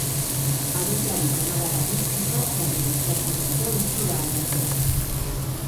Abeslari kanadarrari ikaragarri gustatzen zaio itxura aldatzea.